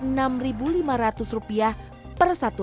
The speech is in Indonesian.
apakah martabak ini bisa dikonsumsi sebagai hidangan penutup